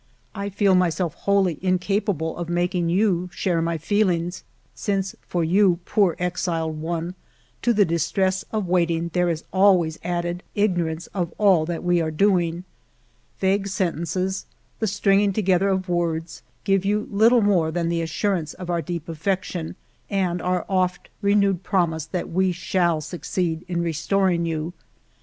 I feel myself wholly incapable of making you share my feelings, since for you, poor exiled one, to the distress of wait ing there is always added ignorance of all that we are doing. Vague sentences, the stringing together of words, give you little more than the assurance of our deep affection and our oft re newed promise that we shall succeed in restoring you.